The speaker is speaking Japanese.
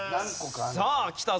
さあきたぞ。